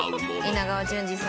稲川淳二さん。